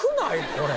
これ。